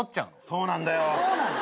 そうなんだ。